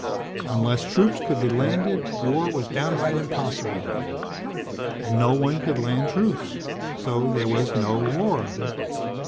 Unless troops could be landed, war was downright impossible. And, no one could land troops, so there was no war.